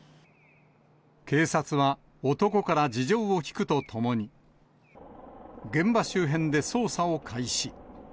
警察は男から事情を聴くとともに、現場周辺で捜査を開始。